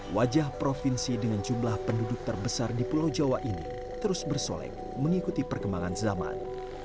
wajah provinsi dengan jumlah penduduk terbesar di pulau jawa ini terus bersolek mengikuti perkembangan zaman